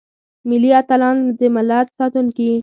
ملي اتلان دملت ساتونکي.